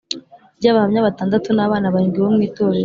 Ry abahamya batandatu n abana barindwi bo mu itorero